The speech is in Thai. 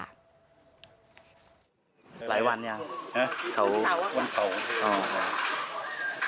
หลายวันเนี้ยเอ๊ะเขาวันเสาร์เหรออ้อ